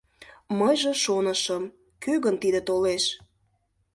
Мыйже шонышым, кӧ гын тиде толеш...»